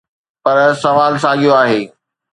پر سوال ساڳيو آهي.